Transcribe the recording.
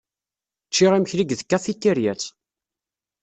Ččiɣ imekli deg tkafitiryat.